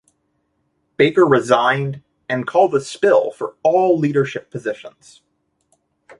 Baker resigned and called a spill for all leadership positions.